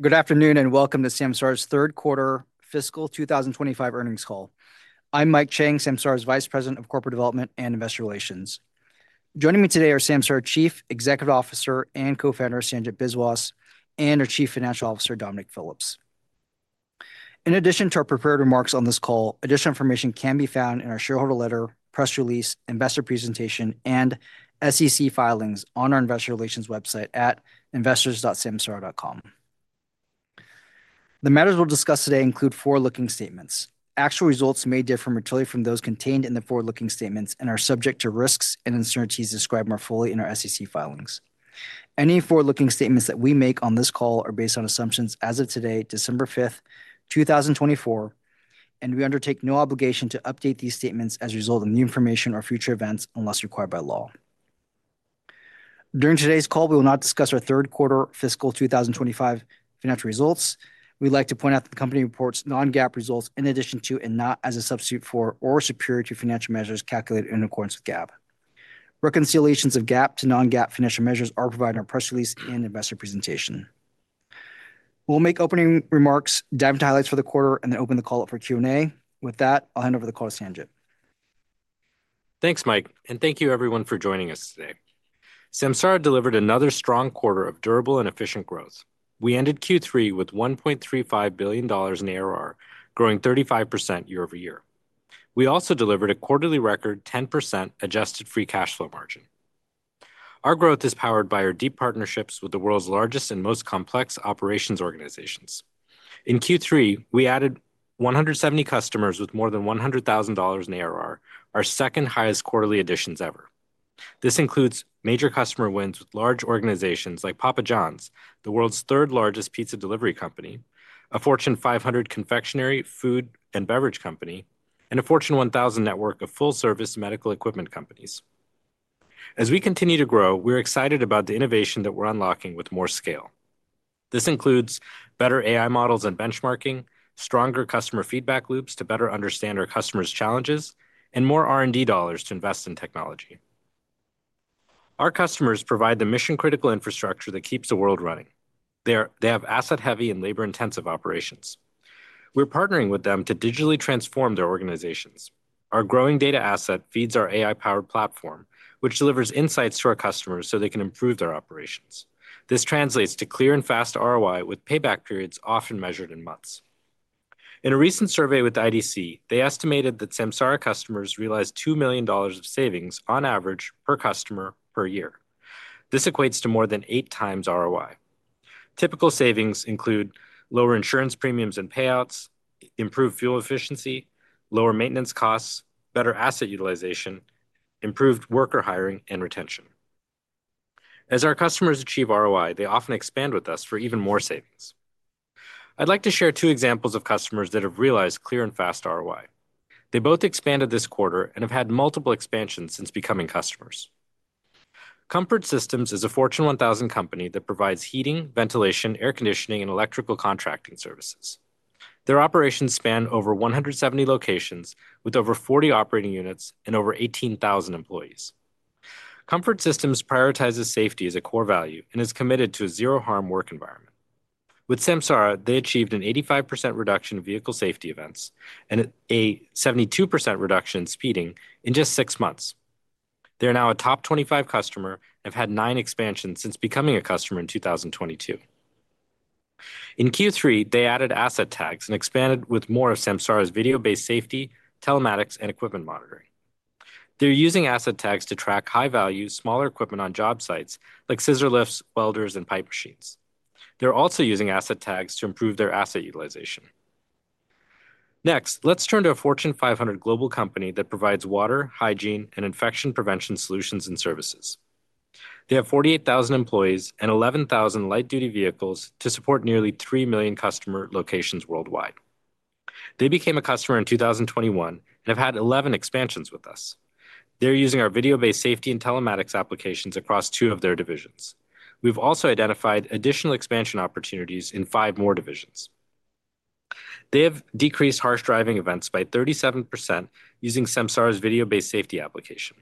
Good afternoon and welcome to Samsara's third quarter fiscal 2025 earnings call. I'm Mike Chang, Samsara's Vice President of Corporate Development and Investor Relations. Joining me today are Samsara's Chief Executive Officer and Co-Founder Sanjit Biswas and our Chief Financial Officer Dominic Phillips. In addition to our prepared remarks on this call, additional information can be found in our shareholder letter, press release, investor presentation, and SEC filings on our investor relations website at investors.samsara.com. The matters we'll discuss today include forward-looking statements. Actual results may differ materially from those contained in the forward-looking statements and are subject to risks and uncertainties described more fully in our SEC filings. Any forward-looking statements that we make on this call are based on assumptions as of today, December 5th, 2024, and we undertake no obligation to update these statements as a result of new information or future events unless required by law. During today's call, we will not discuss our third quarter fiscal 2025 financial results. We'd like to point out that the company reports non-GAAP results in addition to and not as a substitute for or superior to financial measures calculated in accordance with GAAP. Reconciliations of GAAP to non-GAAP financial measures are provided in our press release and investor presentation. We'll make opening remarks, dive into highlights for the quarter, and then open the call up for Q&A. With that, I'll hand over the call to Sanjit. Thanks, Mike, and thank you everyone for joining us today. Samsara delivered another strong quarter of durable and efficient growth. We ended Q3 with $1.35 billion in ARR, growing 35% year over year. We also delivered a quarterly record 10% adjusted free cash flow margin. Our growth is powered by our deep partnerships with the world's largest and most complex operations organizations. In Q3, we added 170 customers with more than $100,000 in ARR, our second highest quarterly additions ever. This includes major customer wins with large organizations like Papa John's, the world's third largest pizza delivery company, a Fortune 500 confectionery, food, and beverage company, and a Fortune 1000 network of full-service medical equipment companies. As we continue to grow, we're excited about the innovation that we're unlocking with more scale. This includes better AI models and benchmarking, stronger customer feedback loops to better understand our customers' challenges, and more R&D dollars to invest in technology. Our customers provide the mission-critical infrastructure that keeps the world running. They have asset-heavy and labor-intensive operations. We're partnering with them to digitally transform their organizations. Our growing data asset feeds our AI-powered platform, which delivers insights to our customers so they can improve their operations. This translates to clear and fast ROI with payback periods often measured in months. In a recent survey with the IDC, they estimated that Samsara customers realized $2 million of savings on average per customer per year. This equates to more than eight times ROI. Typical savings include lower insurance premiums and payouts, improved fuel efficiency, lower maintenance costs, better asset utilization, improved worker hiring, and retention. As our customers achieve ROI, they often expand with us for even more savings. I'd like to share two examples of customers that have realized clear and fast ROI. They both expanded this quarter and have had multiple expansions since becoming customers. Comfort Systems is a Fortune 1000 company that provides heating, ventilation, air conditioning, and electrical contracting services. Their operations span over 170 locations with over 40 operating units and over 18,000 employees. Comfort Systems prioritizes safety as a core value and is committed to a zero-harm work environment. With Samsara, they achieved an 85% reduction in vehicle safety events and a 72% reduction in speeding in just six months. They are now a top 25 customer and have had nine expansions since becoming a customer in 2022. In Q3, they added Asset Tags and expanded with more of Samsara's Video-Based Safety, Telematics, and Equipment Monitoring. They're using Asset Tags to track high-value, smaller equipment on job sites like scissor lifts, welders, and pipe machines. They're also using Asset Tags to improve their asset utilization. Next, let's turn to a Fortune 500 global company that provides water, hygiene, and infection prevention solutions and services. They have 48,000 employees and 11,000 light-duty vehicles to support nearly 3 million customer locations worldwide. They became a customer in 2021 and have had 11 expansions with us. They're using our Video-Based Safety and Telematics applications across two of their divisions. We've also identified additional expansion opportunities in five more divisions. They have decreased harsh driving events by 37% using Samsara's Video-Based Safety application.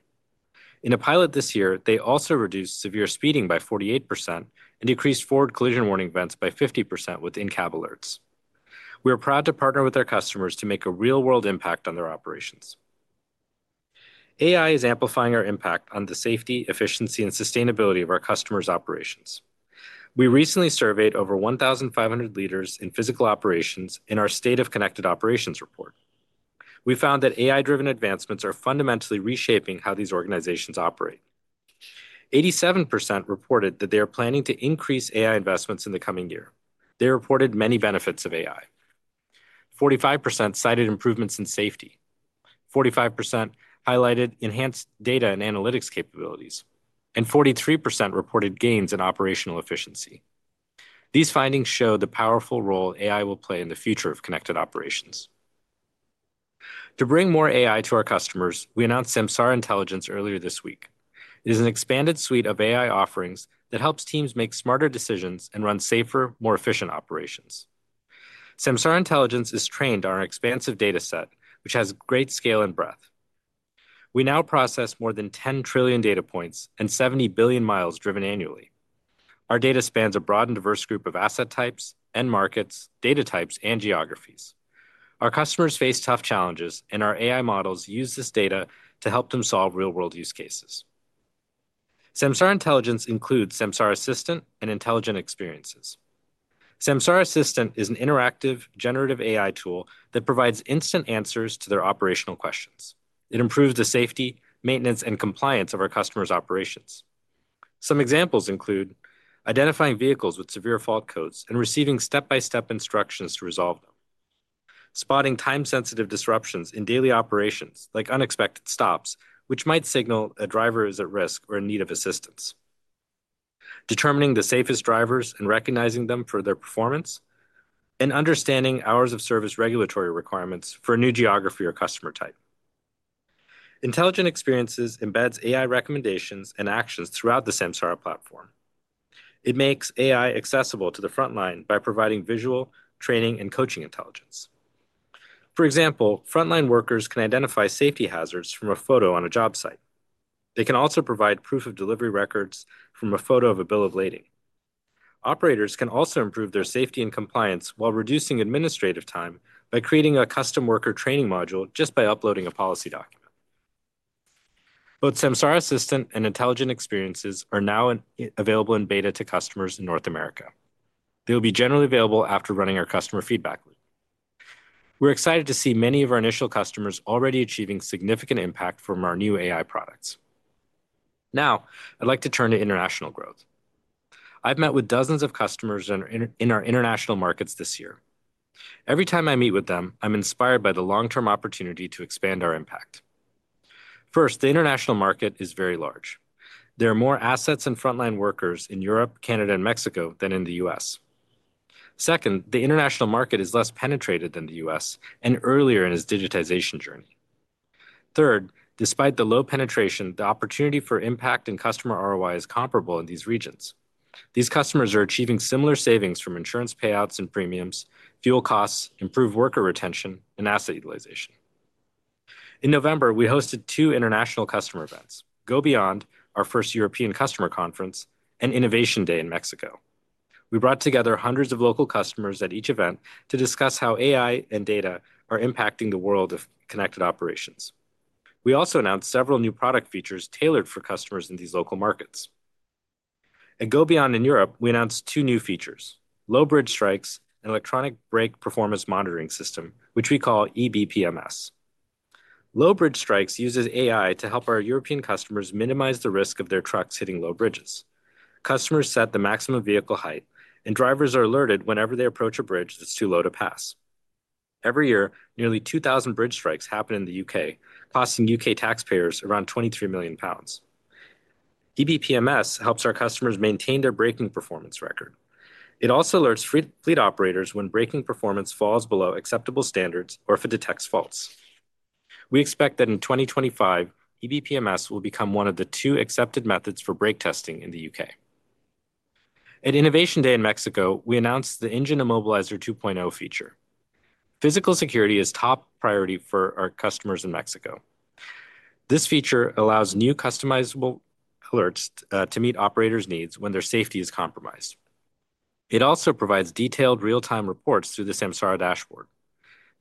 In a pilot this year, they also reduced severe speeding by 48% and decreased forward collision warning events by 50% with in-cab alerts. We are proud to partner with our customers to make a real-world impact on their operations. AI is amplifying our impact on the safety, efficiency, and sustainability of our customers' operations. We recently surveyed over 1,500 leaders in physical operations in our State of Connected Operations Report. We found that AI-driven advancements are fundamentally reshaping how these organizations operate. 87% reported that they are planning to increase AI investments in the coming year. They reported many benefits of AI. 45% cited improvements in safety. 45% highlighted enhanced data and analytics capabilities, and 43% reported gains in operational efficiency. These findings show the powerful role AI will play in the future of connected operations. To bring more AI to our customers, we announced Samsara Intelligence earlier this week. It is an expanded suite of AI offerings that helps teams make smarter decisions and run safer, more efficient operations. Samsara Intelligence is trained on our expansive data set, which has great scale and breadth. We now process more than 10 trillion data points and 70 billion miles driven annually. Our data spans a broad and diverse group of asset types, end markets, data types, and geographies. Our customers face tough challenges, and our AI models use this data to help them solve real-world use cases. Samsara Intelligence includes Samsara Assistant and Intelligent Experiences. Samsara Assistant is an interactive generative AI tool that provides instant answers to their operational questions. It improves the safety, maintenance, and compliance of our customers' operations. Some examples include identifying vehicles with severe fault codes and receiving step-by-step instructions to resolve them. Spotting time-sensitive disruptions in daily operations like unexpected stops, which might signal a driver is at risk or in need of assistance. Determining the safest drivers and recognizing them for their performance and understanding hours of service regulatory requirements for a new geography or customer type. Intelligent Experiences embeds AI recommendations and actions throughout the Samsara platform. It makes AI accessible to the frontline by providing visual, training, and coaching intelligence. For example, frontline workers can identify safety hazards from a photo on a job site. They can also provide proof of delivery records from a photo of a bill of lading. Operators can also improve their safety and compliance while reducing administrative time by creating a custom worker training module just by uploading a policy document. Both Samsara Assistant and Intelligent Experiences are now available in beta to customers in North America. They will be generally available after running our customer feedback loop. We're excited to see many of our initial customers already achieving significant impact from our new AI products. Now, I'd like to turn to international growth. I've met with dozens of customers in our international markets this year. Every time I meet with them, I'm inspired by the long-term opportunity to expand our impact. First, the international market is very large. There are more assets and frontline workers in Europe, Canada, and Mexico than in the U.S. Second, the international market is less penetrated than the U.S. and earlier in its digitization journey. Third, despite the low penetration, the opportunity for impact and customer ROI is comparable in these regions. These customers are achieving similar savings from insurance payouts and premiums, fuel costs, improved worker retention, and asset utilization. In November, we hosted two international customer events: Go Beyond, our first European customer conference, and Innovation Day in Mexico. We brought together hundreds of local customers at each event to discuss how AI and data are impacting the world of connected operations. We also announced several new product features tailored for customers in these local markets. At Go Beyond in Europe, we announced two new features: Low Bridge Strikes and Electronic Brake Performance Monitoring System, which we call EBPMS. Low Bridge Strikes uses AI to help our European customers minimize the risk of their trucks hitting low bridges. Customers set the maximum vehicle height, and drivers are alerted whenever they approach a bridge that's too low to pass. Every year, nearly 2,000 bridge strikes happen in the U.K., costing U.K. taxpayers around 23 million pounds. EBPMS helps our customers maintain their braking performance record. It also alerts fleet operators when braking performance falls below acceptable standards or if it detects faults. We expect that in 2025, EBPMS will become one of the two accepted methods for brake testing in the U.K. At Innovation Day in Mexico, we announced the Engine Immobilizer 2.0 feature. Physical security is top priority for our customers in Mexico. This feature allows new customizable alerts to meet operators' needs when their safety is compromised. It also provides detailed real-time reports through the Samsara dashboard.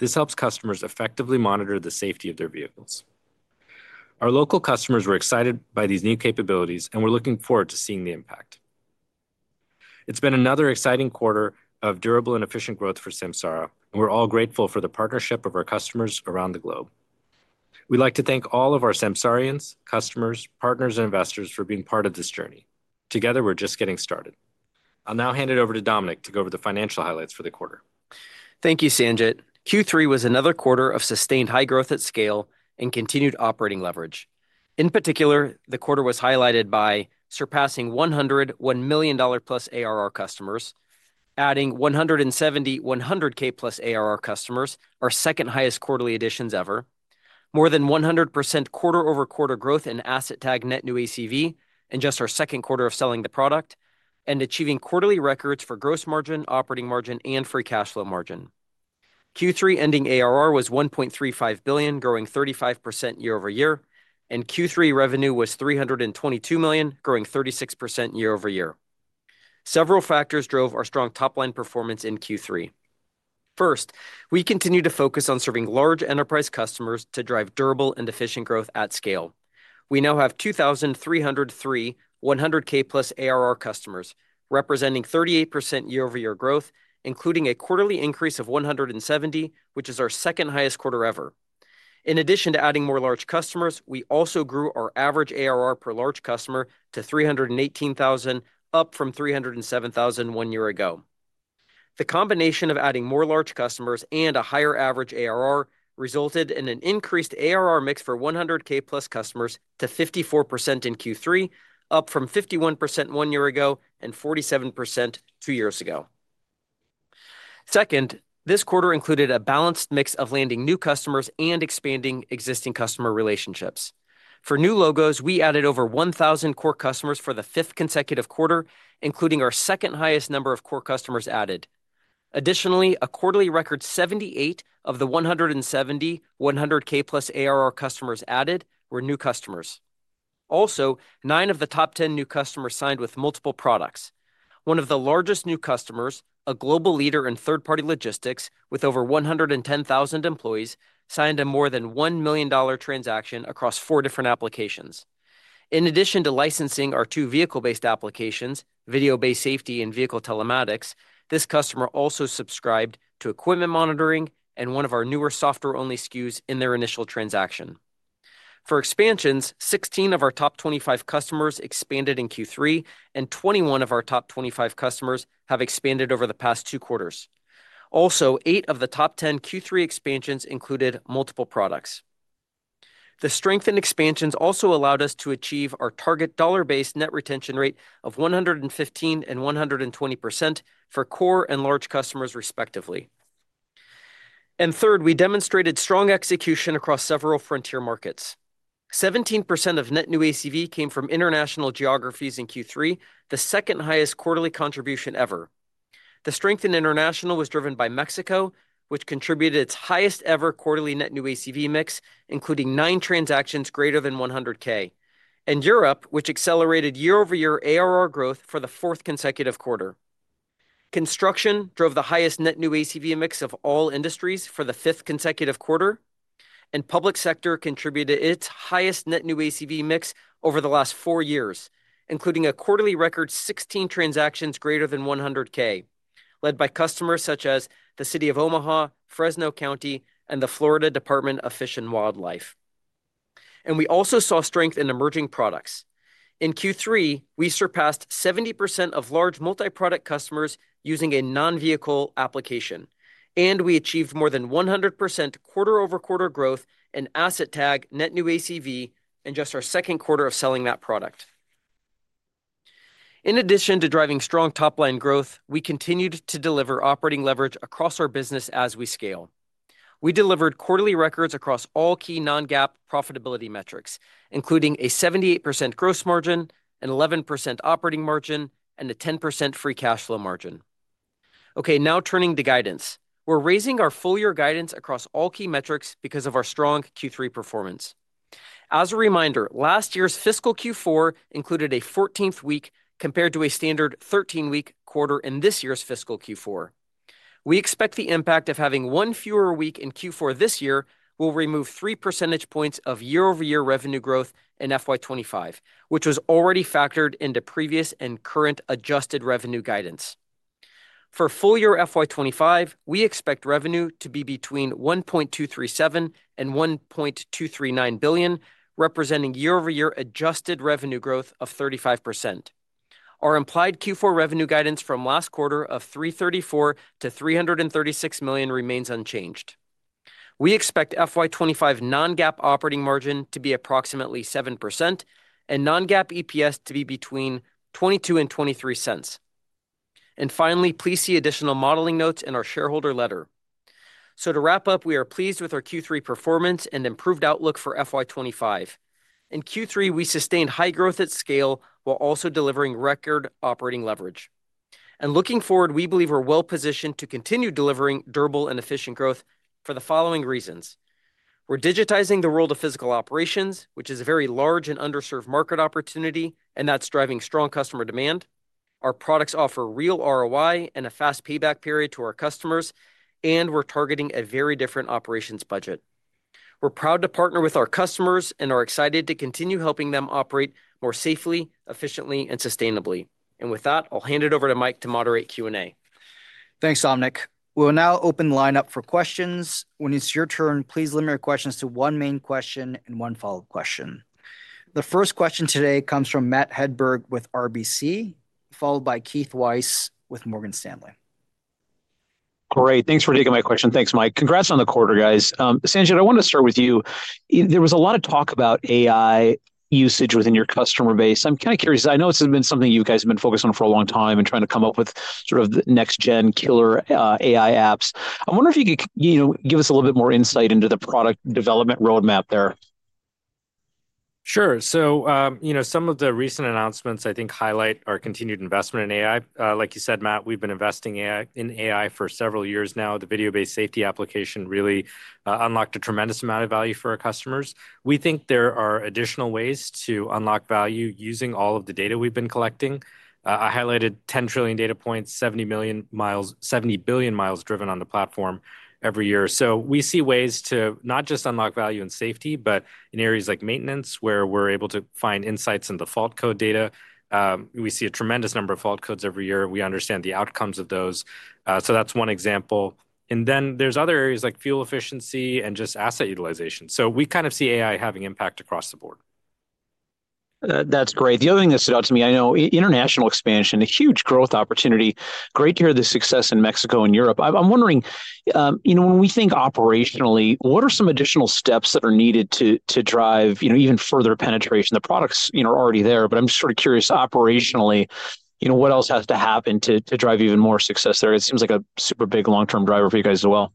This helps customers effectively monitor the safety of their vehicles. Our local customers were excited by these new capabilities and were looking forward to seeing the impact. It's been another exciting quarter of durable and efficient growth for Samsara, and we're all grateful for the partnership of our customers around the globe. We'd like to thank all of our Samsarians, customers, partners, and investors for being part of this journey. Together, we're just getting started. I'll now hand it over to Dominic to go over the financial highlights for the quarter. Thank you, Sanjit. Q3 was another quarter of sustained high growth at scale and continued operating leverage. In particular, the quarter was highlighted by surpassing 100 $1 million-plus ARR customers, adding 170 100K-plus ARR customers, our second highest quarterly additions ever, more than 100% quarter-over-quarter growth in Asset Tag net new ACV in just our second quarter of selling the product, and achieving quarterly records for gross margin, operating margin, and free cash flow margin. Q3 ending ARR was $1.35 billion, growing 35% year over year, and Q3 revenue was $322 million, growing 36% year over year. Several factors drove our strong top-line performance in Q3. First, we continue to focus on serving large enterprise customers to drive durable and efficient growth at scale. We now have 2,303 100K-plus ARR customers, representing 38% year-over-year growth, including a quarterly increase of 170, which is our second highest quarter ever. In addition to adding more large customers, we also grew our average ARR per large customer to $318,000, up from $307,000 one year ago. The combination of adding more large customers and a higher average ARR resulted in an increased ARR mix for 100K-plus customers to 54% in Q3, up from 51% one year ago and 47% two years ago. Second, this quarter included a balanced mix of landing new customers and expanding existing customer relationships. For new logos, we added over 1,000 core customers for the fifth consecutive quarter, including our second highest number of core customers added. Additionally, a quarterly record 78 of the 170 100K-plus ARR customers added were new customers. Also, nine of the top 10 new customers signed with multiple products. One of the largest new customers, a global leader in third-party logistics with over 110,000 employees, signed a more than $1 million transaction across four different applications. In addition to licensing our two vehicle-based applications, Video-Based Safety, and Vehicle Telematics, this customer also subscribed to Equipment Monitoring and one of our newer software-only SKUs in their initial transaction. For expansions, 16 of our top 25 customers expanded in Q3, and 21 of our top 25 customers have expanded over the past two quarters. Also, eight of the top 10 Q3 expansions included multiple products. The strengthened expansions also allowed us to achieve our target dollar-based net retention rate of 115% and 120% for core and large customers, respectively. And third, we demonstrated strong execution across several frontier markets. 17% of net new ACV came from international geographies in Q3, the second highest quarterly contribution ever. The strengthened international was driven by Mexico, which contributed its highest-ever quarterly net new ACV mix, including nine transactions greater than 100K, and Europe, which accelerated year-over-year ARR growth for the fourth consecutive quarter. Construction drove the highest net new ACV mix of all industries for the fifth consecutive quarter, and public sector contributed its highest net new ACV mix over the last four years, including a quarterly record 16 transactions greater than 100K, led by customers such as the City of Omaha, Fresno County, and the Florida Department of Fish and Wildlife, and we also saw strength in emerging products. In Q3, we surpassed 70% of large multi-product customers using a non-vehicle application, and we achieved more than 100% quarter-over-quarter growth in Asset Tag net new ACV in just our second quarter of selling that product. In addition to driving strong top-line growth, we continued to deliver operating leverage across our business as we scale. We delivered quarterly records across all key non-GAAP profitability metrics, including a 78% gross margin, an 11% operating margin, and a 10% free cash flow margin. Okay, now turning to guidance. We're raising our full-year guidance across all key metrics because of our strong Q3 performance. As a reminder, last year's fiscal Q4 included a 14th week compared to a standard 13-week quarter in this year's fiscal Q4. We expect the impact of having one fewer week in Q4 this year will remove 3 percentage points of year-over-year revenue growth in FY25, which was already factored into previous and current adjusted revenue guidance. For full-year FY25, we expect revenue to be between $1.237-$1.239 billion, representing year-over-year adjusted revenue growth of 35%. Our implied Q4 revenue guidance from last quarter of $334-$336 million remains unchanged. We expect FY25 non-GAAP operating margin to be approximately 7% and non-GAAP EPS to be between $0.22 and $0.23. And finally, please see additional modeling notes in our shareholder letter. So to wrap up, we are pleased with our Q3 performance and improved outlook for FY25. In Q3, we sustained high growth at scale while also delivering record operating leverage. And looking forward, we believe we're well-positioned to continue delivering durable and efficient growth for the following reasons. We're digitizing the world of physical operations, which is a very large and underserved market opportunity, and that's driving strong customer demand. Our products offer real ROI and a fast payback period to our customers, and we're targeting a very different operations budget. We're proud to partner with our customers and are excited to continue helping them operate more safely, efficiently, and sustainably. And with that, I'll hand it over to Mike to moderate Q&A. Thanks, Dominic. We'll now open the lineup for questions. When it's your turn, please limit your questions to one main question and one follow-up question. The first question today comes from Matt Hedberg with RBC, followed by Keith Weiss with Morgan Stanley. Great. Thanks for taking my question. Thanks, Mike. Congrats on the quarter, guys. Sanjit, I want to start with you. There was a lot of talk about AI usage within your customer base. I'm kind of curious. I know this has been something you guys have been focused on for a long time and trying to come up with sort of the next-gen killer AI apps. I wonder if you could give us a little bit more insight into the product development roadmap there. Sure, so some of the recent announcements, I think, highlight our continued investment in AI. Like you said, Matt, we've been investing in AI for several years now. The Video-Based Safety application really unlocked a tremendous amount of value for our customers. We think there are additional ways to unlock value using all of the data we've been collecting. I highlighted 10 trillion data points, 70 billion miles driven on the platform every year, so we see ways to not just unlock value in safety, but in areas like maintenance, where we're able to find insights into fault code data. We see a tremendous number of fault codes every year. We understand the outcomes of those, so that's one example. And then there's other areas like fuel efficiency and just asset utilization, so we kind of see AI having impact across the board. That's great. The other thing that stood out to me, I know international expansion, a huge growth opportunity. Great to hear the success in Mexico and Europe. I'm wondering, when we think operationally, what are some additional steps that are needed to drive even further penetration? The products are already there, but I'm sort of curious, operationally, what else has to happen to drive even more success there? It seems like a super big long-term driver for you guys as well.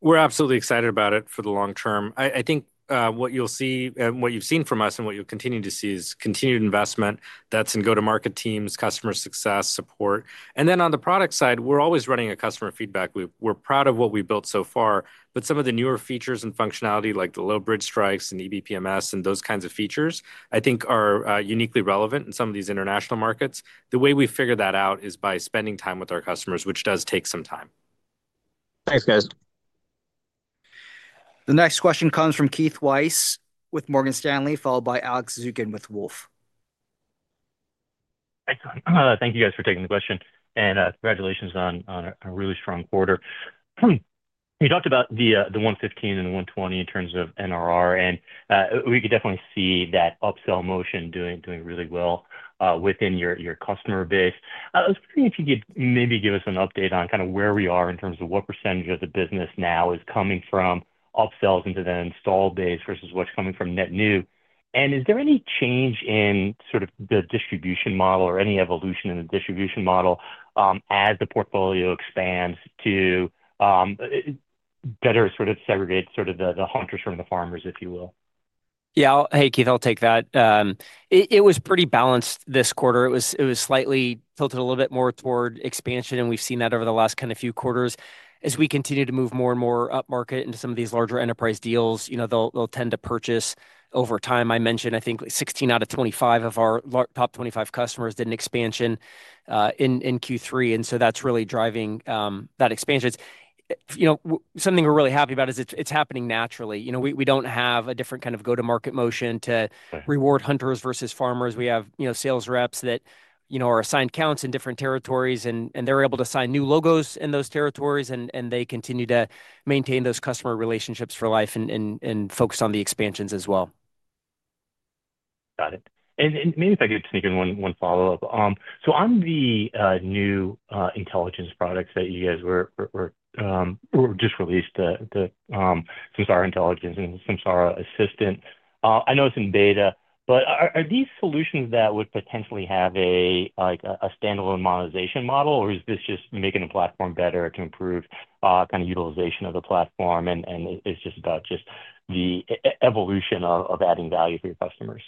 We're absolutely excited about it for the long term. I think what you'll see and what you've seen from us and what you'll continue to see is continued investment. That's in go-to-market teams, customer success, support, and then on the product side, we're always running a customer feedback loop. We're proud of what we built so far, but some of the newer features and functionality, like the Low Bridge Strikes and EBPMS and those kinds of features, I think are uniquely relevant in some of these international markets. The way we figure that out is by spending time with our customers, which does take some time. Thanks, guys. The next question comes from Keith Weiss with Morgan Stanley, followed by Alex Zukin with Wolfe. Excellent. Thank you, guys, for taking the question. And congratulations on a really strong quarter. You talked about the 115 and the 120 in terms of NRR, and we could definitely see that upsell motion doing really well within your customer base. I was wondering if you could maybe give us an update on kind of where we are in terms of what percentage of the business now is coming from upsells into the installed base versus what's coming from net new? And is there any change in sort of the distribution model or any evolution in the distribution model as the portfolio expands to better sort of segregate sort of the hunters from the farmers, if you will? Yeah. Hey, Keith, I'll take that. It was pretty balanced this quarter. It was slightly tilted a little bit more toward expansion, and we've seen that over the last kind of few quarters. As we continue to move more and more up market into some of these larger enterprise deals, they'll tend to purchase over time. I mentioned, I think, 16 out of 25 of our top 25 customers did an expansion in Q3, and so that's really driving that expansion. Something we're really happy about is it's happening naturally. We don't have a different kind of go-to-market motion to reward hunters versus farmers. We have sales reps that are assigned accounts in different territories, and they're able to sign new logos in those territories, and they continue to maintain those customer relationships for life and focus on the expansions as well. Got it. And maybe if I could just make one follow-up. So on the new intelligence products that you guys were just released, the Samsara Intelligence and Samsara Assistant, I know it's in beta, but are these solutions that would potentially have a standalone monetization model, or is this just making the platform better to improve kind of utilization of the platform, and it's just about just the evolution of adding value for your customers?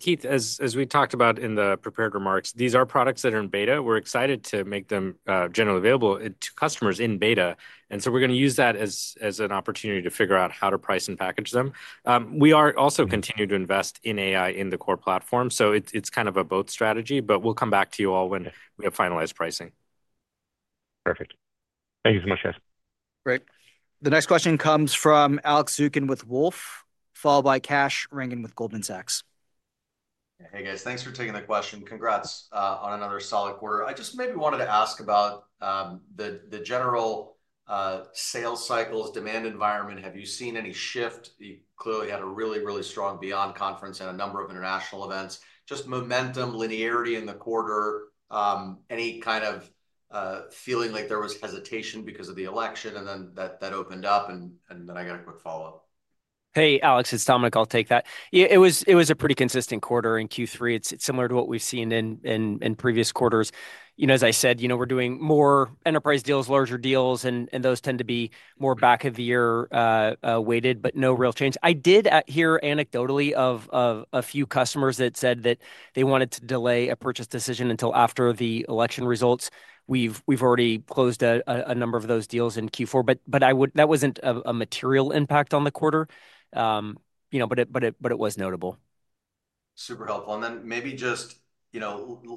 Keith, as we talked about in the prepared remarks, these are products that are in beta. We're excited to make them generally available to customers in beta. And so we're going to use that as an opportunity to figure out how to price and package them. We are also continuing to invest in AI in the core platform, so it's kind of a both strategy, but we'll come back to you all when we have finalized pricing. Perfect. Thank you so much, guys. Great. The next question comes from Alex Zukin with Wolfe, followed by Kash Rangan with Goldman Sachs. Hey, guys. Thanks for taking the question. Congrats on another solid quarter. I just maybe wanted to ask about the general sales cycles, demand environment. Have you seen any shift? You clearly had a really, really strong Beyond Conference and a number of international events. Just momentum, linearity in the quarter. Any kind of feeling like there was hesitation because of the election and then that opened up, and then I got a quick follow-up? Hey, Alex, it's Dominic. I'll take that. It was a pretty consistent quarter in Q3. It's similar to what we've seen in previous quarters. As I said, we're doing more enterprise deals, larger deals, and those tend to be more back-of-the-year weighted, but no real change. I did hear anecdotally of a few customers that said that they wanted to delay a purchase decision until after the election results. We've already closed a number of those deals in Q4, but that wasn't a material impact on the quarter, but it was notable. Super helpful. And then maybe just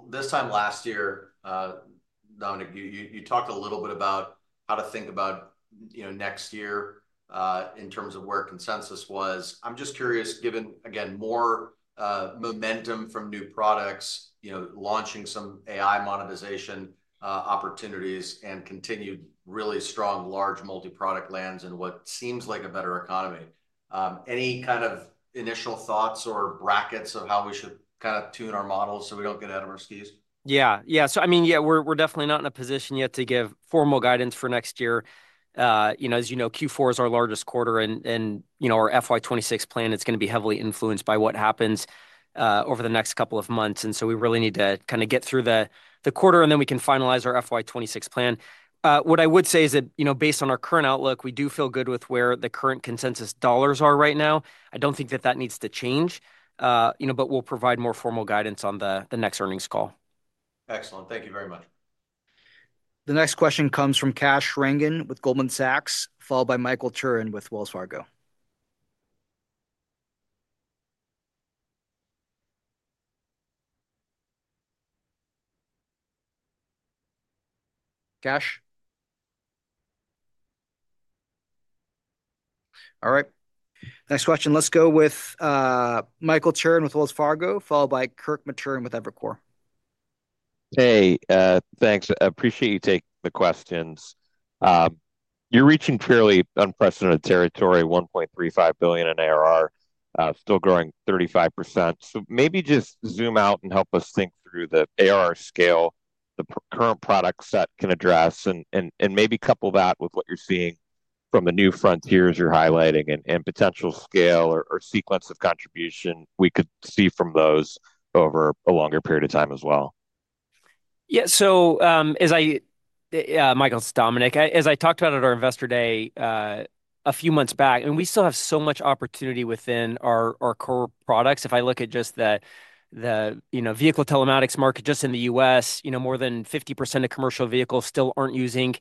this time last year, Dominic, you talked a little bit about how to think about next year in terms of where consensus was. I'm just curious, given, again, more momentum from new products, launching some AI monetization opportunities, and continued really strong, large multi-product lands in what seems like a better economy. Any kind of initial thoughts or brackets of how we should kind of tune our models so we don't get out of our skis? Yeah. Yeah. So, I mean, yeah, we're definitely not in a position yet to give formal guidance for next year. As you know, Q4 is our largest quarter, and our FY26 plan is going to be heavily influenced by what happens over the next couple of months, and so we really need to kind of get through the quarter, and then we can finalize our FY26 plan. What I would say is that based on our current outlook, we do feel good with where the current consensus dollars are right now. I don't think that that needs to change, but we'll provide more formal guidance on the next earnings call. Excellent. Thank you very much. The next question comes from Kash Rangan with Goldman Sachs, followed by Michael Turrin with Wells Fargo. Kash? All right. Next question. Let's go with Michael Turrin with Wells Fargo, followed by Kirk Materne with Evercore. Hey, thanks. Appreciate you taking the questions. You're reaching fairly unprecedented territory, $1.35 billion in ARR, still growing 35%, so maybe just zoom out and help us think through the ARR scale, the current product set can address, and maybe couple that with what you're seeing from the new frontiers you're highlighting and potential scale or sequence of contribution we could see from those over a longer period of time as well. Yeah. So Michael its Dominic, as I talked about at our investor day a few months back, and we still have so much opportunity within our core products. If I look at just the Vehicle Telematics market just in the U.S., more than 50% of commercial vehicles still aren't using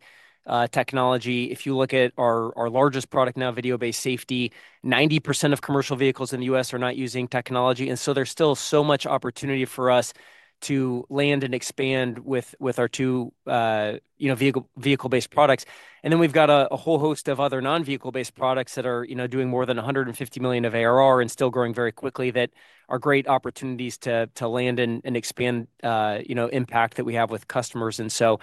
technology. If you look at our largest product now, Video-Based Safety, 90% of commercial vehicles in the U.S. are not using technology. And so there's still so much opportunity for us to land and expand with our two vehicle-based products. And then we've got a whole host of other non-vehicle-based products that are doing more than $150 million of ARR and still growing very quickly that are great opportunities to land and expand impact that we have with customers. And so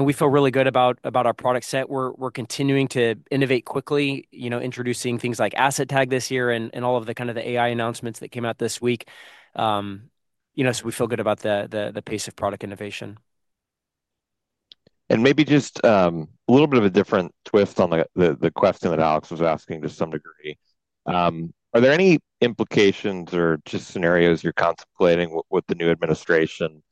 we feel really good about our product set. We're continuing to innovate quickly, introducing things like Asset Tag this year and all of the kind of AI announcements that came out this week, so we feel good about the pace of product innovation. Maybe just a little bit of a different twist on the question that Alex was asking to some degree. Are there any implications or just scenarios you're contemplating with the new administration?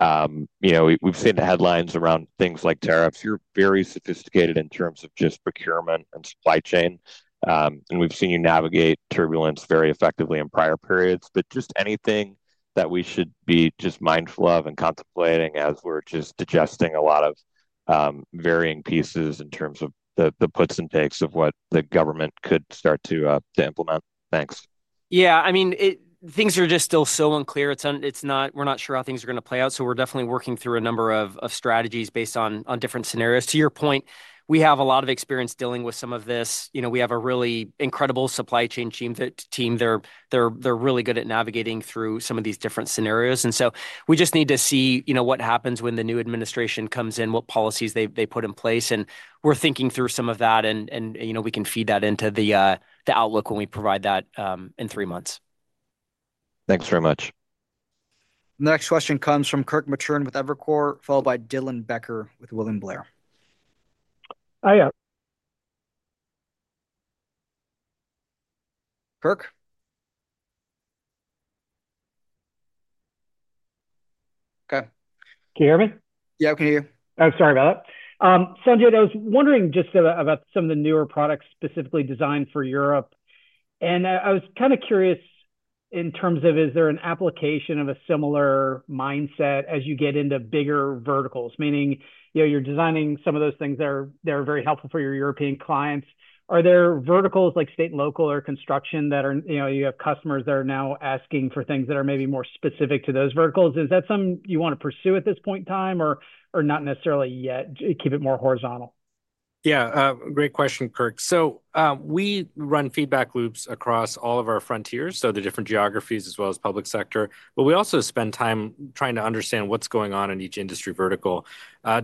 We've seen the headlines around things like tariffs. You're very sophisticated in terms of just procurement and supply chain. And we've seen you navigate turbulence very effectively in prior periods. But just anything that we should be just mindful of and contemplating as we're just digesting a lot of varying pieces in terms of the puts and takes of what the government could start to implement. Thanks. Yeah. I mean, things are just still so unclear. We're not sure how things are going to play out. So we're definitely working through a number of strategies based on different scenarios. To your point, we have a lot of experience dealing with some of this. We have a really incredible supply chain team. They're really good at navigating through some of these different scenarios. And so we just need to see what happens when the new administration comes in, what policies they put in place. And we're thinking through some of that, and we can feed that into the outlook when we provide that in three months. Thanks very much. Next question comes from Kirk Materne with Evercore ISI, followed by Dylan Becker with William Blair. Hi. Kirk? Okay. Can you hear me? Yeah, I can hear you. Oh, sorry about that. Sanjit, I was wondering just about some of the newer products specifically designed for Europe. And I was kind of curious in terms of, is there an application of a similar mindset as you get into bigger verticals? Meaning, you're designing some of those things that are very helpful for your European clients. Are there verticals like state and local or construction that you have customers that are now asking for things that are maybe more specific to those verticals? Is that something you want to pursue at this point in time or not necessarily yet? Keep it more horizontal. Yeah. Great question, Kirk. So we run feedback loops across all of our frontiers, so the different geographies as well as public sector. But we also spend time trying to understand what's going on in each industry vertical.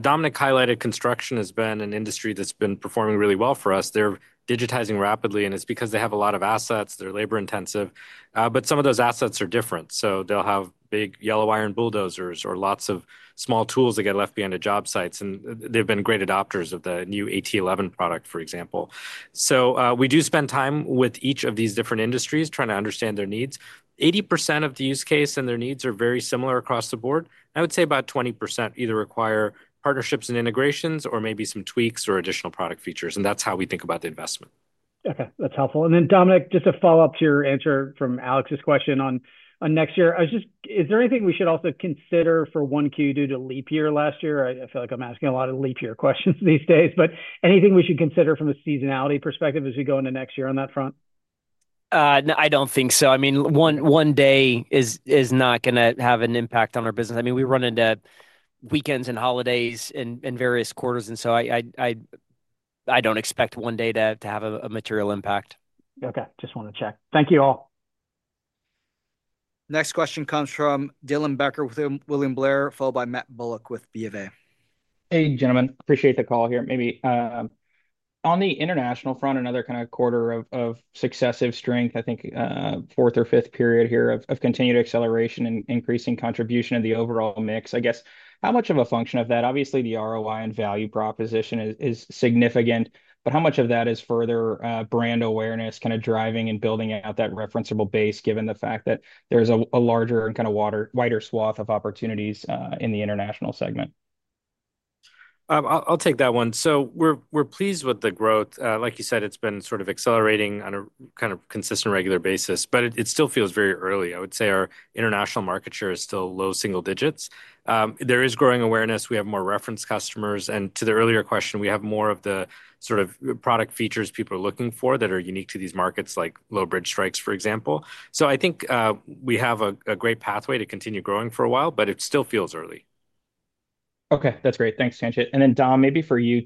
Dominic highlighted construction has been an industry that's been performing really well for us. They're digitizing rapidly, and it's because they have a lot of assets. They're labor-intensive. But some of those assets are different. So they'll have big yellow iron bulldozers or lots of small tools that get left behind at job sites. And they've been great adopters of the new AT11 product, for example. So we do spend time with each of these different industries trying to understand their needs. 80% of the use case and their needs are very similar across the board. I would say about 20% either require partnerships and integrations or maybe some tweaks or additional product features, and that's how we think about the investment. Okay. That's helpful. And then, Dominic, just a follow-up to your answer from Alex's question on next year. Is there anything we should also consider for 1Q due to leap year last year? I feel like I'm asking a lot of leap year questions these days. But anything we should consider from a seasonality perspective as we go into next year on that front? I don't think so. I mean, one day is not going to have an impact on our business. I mean, we run into weekends and holidays in various quarters. And so I don't expect one day to have a material impact. Okay. Just want to check. Thank you all. Next question comes from Dylan Becker with William Blair, followed by Matt Bullock with BofA. Hey, gentlemen. Appreciate the call here. Maybe on the international front, another kind of quarter of successive strength, I think fourth or fifth period here of continued acceleration and increasing contribution of the overall mix. I guess how much of a function of that? Obviously, the ROI and value proposition is significant, but how much of that is further brand awareness, kind of driving and building out that referenceable base given the fact that there is a larger and kind of wider swath of opportunities in the international segment? I'll take that one. So we're pleased with the growth. Like you said, it's been sort of accelerating on a kind of consistent regular basis, but it still feels very early. I would say our international market share is still low single digits. There is growing awareness. We have more reference customers. And to the earlier question, we have more of the sort of product features people are looking for that are unique to these markets, like Low Bridge Strikes, for example. So I think we have a great pathway to continue growing for a while, but it still feels early. Okay. That's great. Thanks, Sanjit. And then, Dom, maybe for you,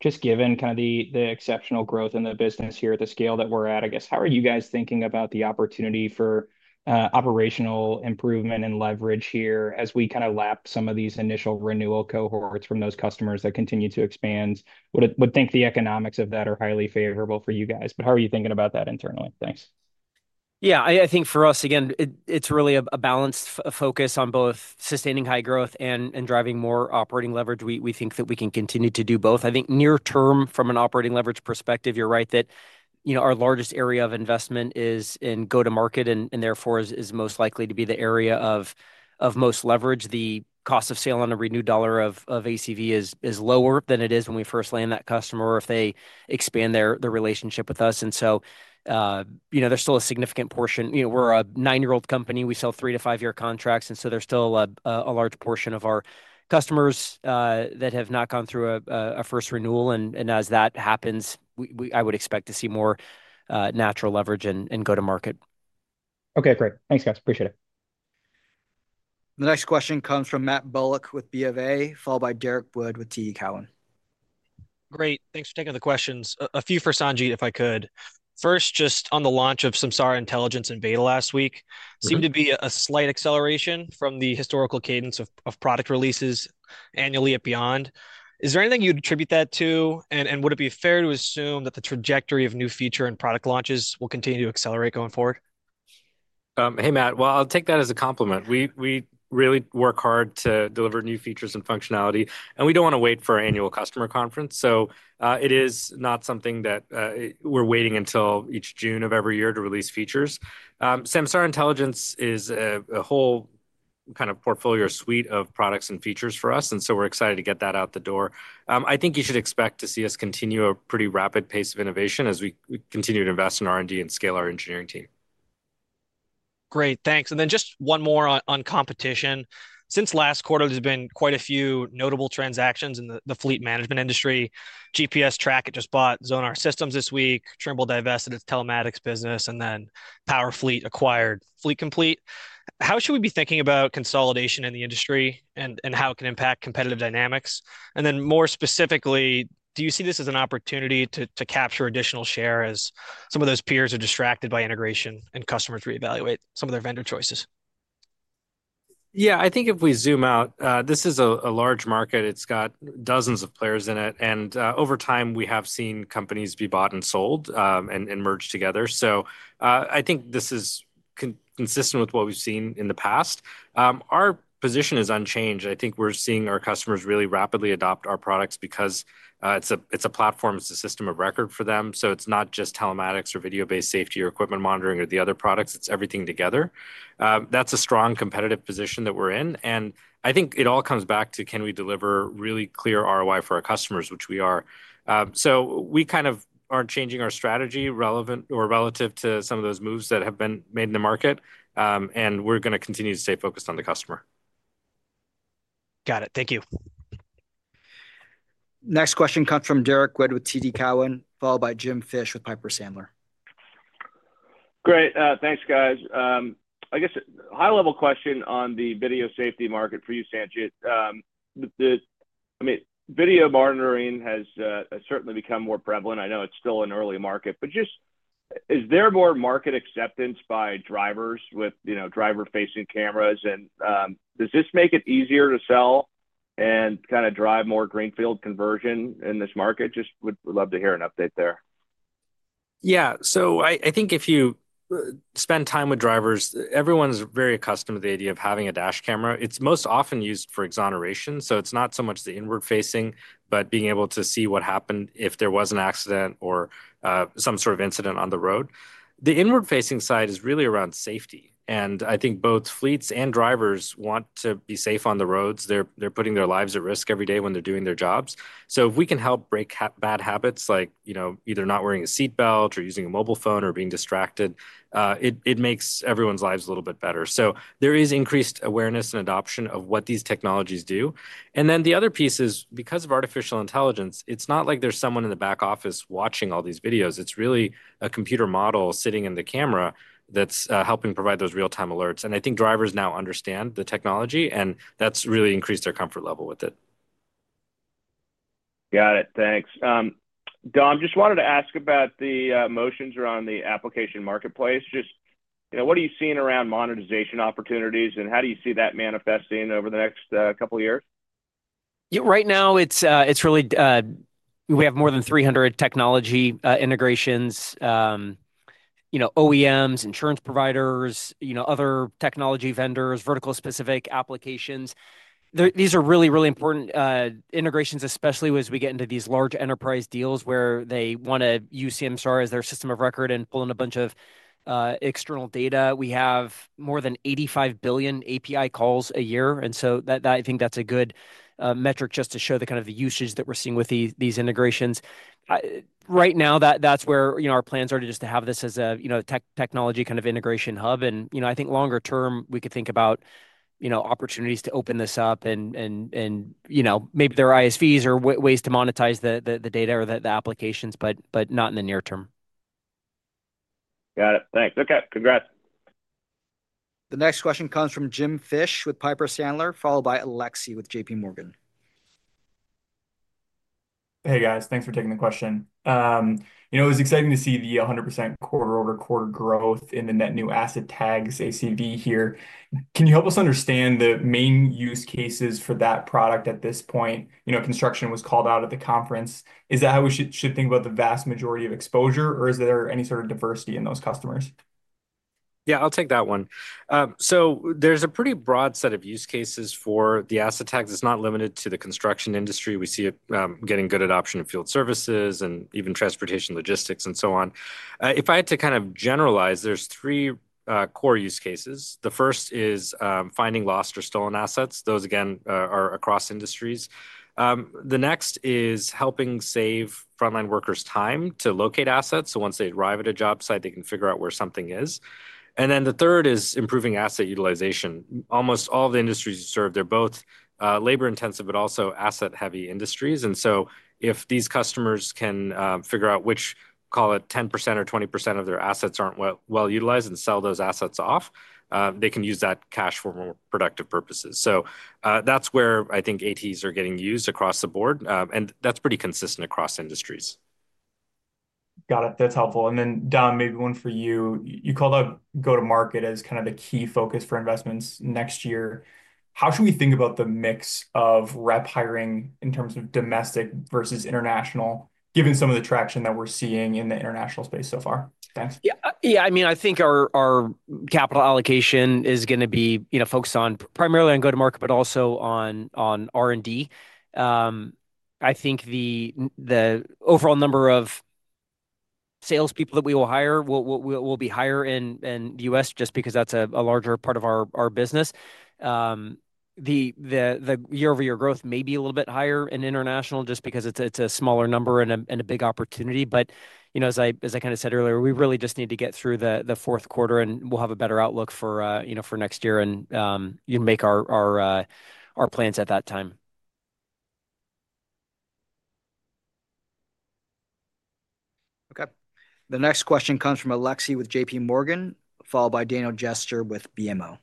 just given kind of the exceptional growth in the business here at the scale that we're at, I guess, how are you guys thinking about the opportunity for operational improvement and leverage here as we kind of lap some of these initial renewal cohorts from those customers that continue to expand? Would think the economics of that are highly favorable for you guys. But how are you thinking about that internally? Thanks. Yeah. I think for us, again, it's really a balanced focus on both sustaining high growth and driving more operating leverage. We think that we can continue to do both. I think near-term, from an operating leverage perspective, you're right that our largest area of investment is in go-to-market and therefore is most likely to be the area of most leverage. The cost of sale on a renewed dollar of ACV is lower than it is when we first land that customer or if they expand their relationship with us. And so there's still a significant portion. We're a nine-year-old company. We sell three- to five-year contracts. And so there's still a large portion of our customers that have not gone through a first renewal. And as that happens, I would expect to see more natural leverage in go-to-market. Okay. Great. Thanks, guys. Appreciate it. The next question comes from Matt Bullock with BofA, followed by Derrick Wood with TD Cowen. Great. Thanks for taking the questions. A few for Sanjit, if I could. First, just on the launch of Samsara Intelligence and beta last week, seemed to be a slight acceleration from the historical cadence of product releases annually at Beyond. Is there anything you'd attribute that to? And would it be fair to assume that the trajectory of new feature and product launches will continue to accelerate going forward? Hey, Matt. Well, I'll take that as a compliment. We really work hard to deliver new features and functionality. And we don't want to wait for our annual customer conference. So it is not something that we're waiting until each June of every year to release features. Samsara Intelligence is a whole kind of portfolio suite of products and features for us. And so we're excited to get that out the door. I think you should expect to see us continue a pretty rapid pace of innovation as we continue to invest in R&D and scale our engineering team. Great. Thanks, and then just one more on competition. Since last quarter, there's been quite a few notable transactions in the fleet management industry. GPS Trackit just bought Zonar Systems this week, Trimble divested its Telematics business, and then Powerfleet acquired Fleet Complete. How should we be thinking about consolidation in the industry and how it can impact competitive dynamics? And then more specifically, do you see this as an opportunity to capture additional share as some of those peers are distracted by integration and customers reevaluate some of their vendor choices? Yeah. I think if we zoom out, this is a large market. It's got dozens of players in it. And over time, we have seen companies be bought and sold and merged together. So I think this is consistent with what we've seen in the past. Our position is unchanged. I think we're seeing our customers really rapidly adopt our products because it's a platform. It's a system of record for them. So it's not just Telematics or Video-Based Safety or Equipment Monitoring or the other products. It's everything together. That's a strong competitive position that we're in. And I think it all comes back to, can we deliver really clear ROI for our customers, which we are. So we kind of aren't changing our strategy relevant or relative to some of those moves that have been made in the market. We're going to continue to stay focused on the customer. Got it. Thank you. Next question comes from Derrick Wood with TD Cowen, followed by Jim Fish with Piper Sandler. Great. Thanks, guys. I guess a high-level question on the video safety market for you, Sanjit. I mean, video monitoring has certainly become more prevalent. I know it's still an early market. But just, is there more market acceptance by drivers with driver-facing cameras? And does this make it easier to sell and kind of drive more greenfield conversion in this market? Just would love to hear an update there. Yeah. So I think if you spend time with drivers, everyone's very accustomed to the idea of having a dash camera. It's most often used for exoneration. So it's not so much the inward-facing, but being able to see what happened if there was an accident or some sort of incident on the road. The inward-facing side is really around safety. And I think both fleets and drivers want to be safe on the roads. They're putting their lives at risk every day when they're doing their jobs. So if we can help break bad habits like either not wearing a seat belt or using a mobile phone or being distracted, it makes everyone's lives a little bit better. So there is increased awareness and adoption of what these technologies do. And then the other piece is, because of artificial intelligence, it's not like there's someone in the back office watching all these videos. It's really a computer model sitting in the camera that's helping provide those real-time alerts. And I think drivers now understand the technology, and that's really increased their comfort level with it. Got it. Thanks. Dom, just wanted to ask about the motions around the application marketplace. Just what are you seeing around monetization opportunities, and how do you see that manifesting over the next couple of years? Right now, it's really we have more than 300 technology integrations, OEMs, insurance providers, other technology vendors, vertical-specific applications. These are really, really important integrations, especially as we get into these large enterprise deals where they want to use Samsara as their system of record and pull in a bunch of external data. We have more than 85 billion API calls a year. So I think that's a good metric just to show the kind of usage that we're seeing with these integrations. Right now, that's where our plans are just to have this as a technology kind of integration hub. I think longer term, we could think about opportunities to open this up and maybe their ISVs or ways to monetize the data or the applications, but not in the near term. Got it. Thanks. Okay. Congrats. The next question comes from Jim Fish with Piper Sandler, followed by Alexei with JP Morgan. Hey, guys. Thanks for taking the question. It was exciting to see the 100% quarter-over-quarter growth in the net new Asset Tags, ACV here. Can you help us understand the main use cases for that product at this point? Construction was called out at the conference. Is that how we should think about the vast majority of exposure, or is there any sort of diversity in those customers? Yeah, I'll take that one. So there's a pretty broad set of use cases for the Asset Tags. It's not limited to the construction industry. We see it getting good adoption in field services and even transportation logistics and so on. If I had to kind of generalize, there's three core use cases. The first is finding lost or stolen assets. Those, again, are across industries. The next is helping save frontline workers' time to locate assets. So once they arrive at a job site, they can figure out where something is. And then the third is improving asset utilization. Almost all the industries you serve, they're both labor-intensive, but also asset-heavy industries. And so if these customers can figure out which, call it 10% or 20% of their assets aren't well utilized and sell those assets off, they can use that cash for more productive purposes. So that's where I think ATs are getting used across the board. And that's pretty consistent across industries. Got it. That's helpful, and then, Dom, maybe one for you. You called out go-to-market as kind of the key focus for investments next year. How should we think about the mix of rep hiring in terms of domestic versus international, given some of the traction that we're seeing in the international space so far? Thanks. Yeah. I mean, I think our capital allocation is going to be focused primarily on go-to-market, but also on R&D. I think the overall number of salespeople that we will hire will be higher in the US just because that's a larger part of our business. The year-over-year growth may be a little bit higher in international just because it's a smaller number and a big opportunity. But as I kind of said earlier, we really just need to get through the fourth quarter, and we'll have a better outlook for next year, and you can make our plans at that time. Okay. The next question comes from Alexei with JP Morgan, followed by Daniel Jester with BMO.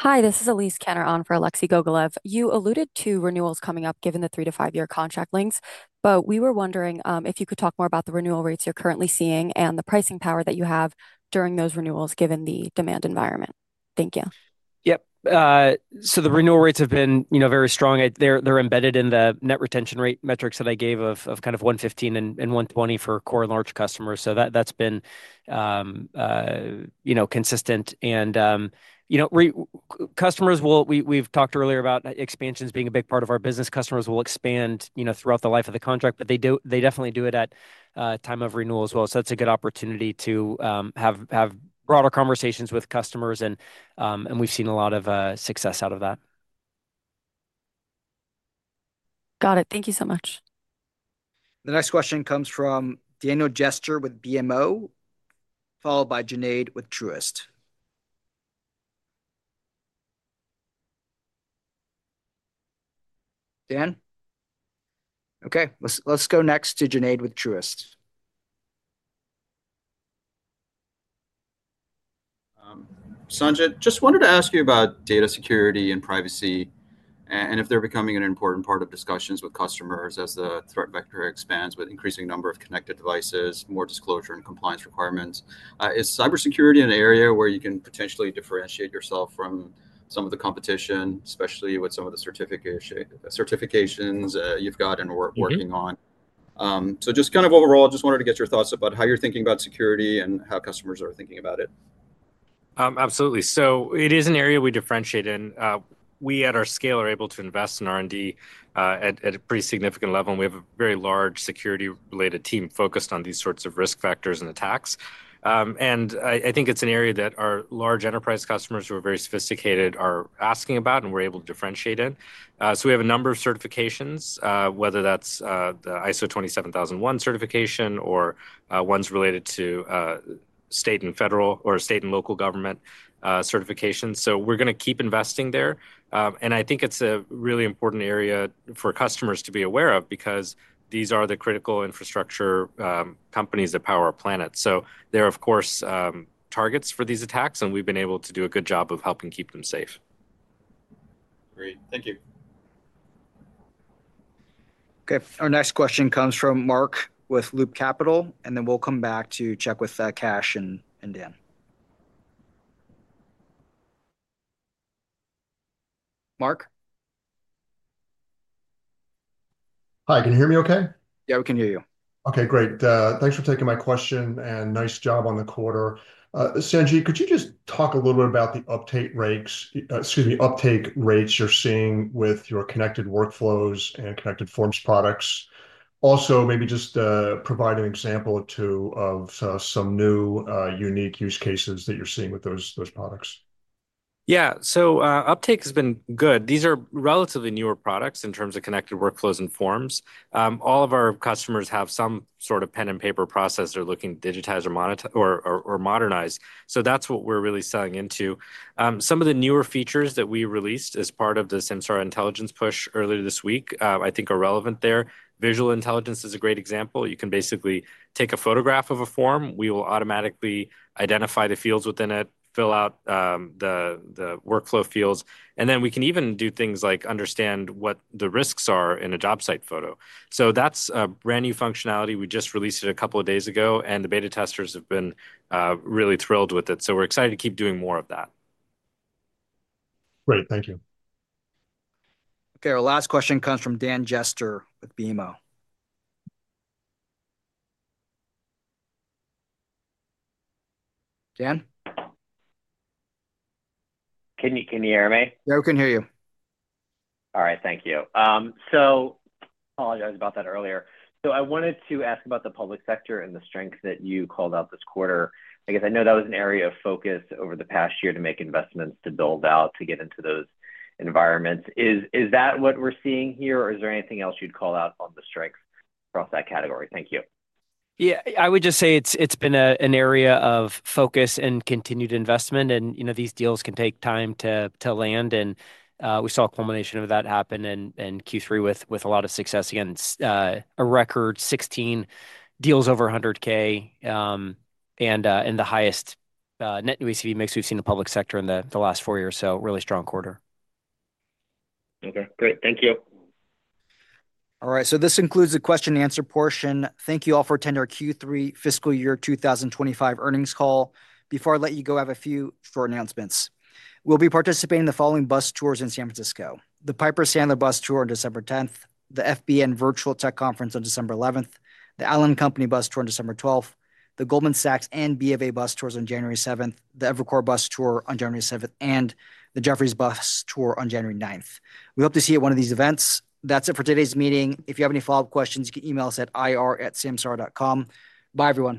Hi, this is Elise Kanaan for Alexei Gogolev. You alluded to renewals coming up given the three to five-year contract lengths, but we were wondering if you could talk more about the renewal rates you're currently seeing and the pricing power that you have during those renewals given the demand environment. Thank you. Yep. So the renewal rates have been very strong. They're embedded in the net retention rate metrics that I gave of kind of 115 and 120 for core large customers. So that's been consistent. And customers, we've talked earlier about expansions being a big part of our business. Customers will expand throughout the life of the contract, but they definitely do it at time of renewal as well. So that's a good opportunity to have broader conversations with customers. And we've seen a lot of success out of that. Got it. Thank you so much. The next question comes from Daniel Jester with BMO, followed by Junaid with Truist. Dan? Okay. Let's go next to Junaid with Truist. Sanjit, just wanted to ask you about data security and privacy and if they're becoming an important part of discussions with customers as the threat vector expands with increasing number of connected devices, more disclosure and compliance requirements. Is cybersecurity an area where you can potentially differentiate yourself from some of the competition, especially with some of the certifications you've got and working on? So just kind of overall, just wanted to get your thoughts about how you're thinking about security and how customers are thinking about it. Absolutely. So it is an area we differentiate in. We, at our scale, are able to invest in R&D at a pretty significant level. And we have a very large security-related team focused on these sorts of risk factors and attacks. And I think it's an area that our large enterprise customers who are very sophisticated are asking about and we're able to differentiate in. So we have a number of certifications, whether that's the ISO 27001 certification or ones related to state and federal or state and local government certifications. So we're going to keep investing there. And I think it's a really important area for customers to be aware of because these are the critical infrastructure companies that power our planet. So there are, of course, targets for these attacks, and we've been able to do a good job of helping keep them safe. Great. Thank you. Okay. Our next question comes from Mark with Loop Capital. And then we'll come back to check with Kash and Dan. Mark? Hi. Can you hear me okay? Yeah, we can hear you. Okay. Great. Thanks for taking my question and nice job on the quarter. Sanjit, could you just talk a little bit about the uptake rates you're seeing with your Connected Workflows and Connected Forms products? Also, maybe just provide an example of some new unique use cases that you're seeing with those products. Yeah. Uptake has been good. These are relatively newer products in terms of Connected Workflows and Forms. All of our customers have some sort of pen and paper process they're looking to digitize or modernize. That's what we're really selling into. Some of the newer features that we released as part of the Samsara Intelligence push earlier this week, I think, are relevant there. Visual Intelligence is a great example. You can basically take a photograph of a form. We will automatically identify the fields within it, fill out the workflow fields. Then we can even do things like understand what the risks are in a job site photo. That's a brand new functionality. We just released it a couple of days ago, and the beta testers have been really thrilled with it. We're excited to keep doing more of that. Great. Thank you. Okay. Our last question comes from Dan Jester with BMO. Dan? Can you hear me? Yeah, we can hear you. All right. Thank you. So I apologize about that earlier. So I wanted to ask about the public sector and the strength that you called out this quarter. I guess I know that was an area of focus over the past year to make investments to build out to get into those environments. Is that what we're seeing here, or is there anything else you'd call out on the strength across that category? Thank you. Yeah. I would just say it's been an area of focus and continued investment. And these deals can take time to land. And we saw a culmination of that happen in Q3 with a lot of success. Again, a record 16 deals over 100K and the highest net new ACV mix we've seen in the public sector in the last four years. So really strong quarter. Okay. Great. Thank you. All right. So this concludes the question-and-answer portion. Thank you all for attending our Q3 fiscal year 2025 earnings call. Before I let you go, I have a few short announcements. We'll be participating in the following bus tours in San Francisco: the Piper Sandler bus tour on December 10th, the FBN Virtual Tech Conference on December 11th, the Allen & Company bus tour on December 12th, the Goldman Sachs and BofA bus tours on January 7th, the Evercore bus tour on January 7th, and the Jefferies bus tour on January 9th. We hope to see you at one of these events. That's it for today's meeting. If you have any follow-up questions, you can email us at ir@samsara.com. Bye, everyone.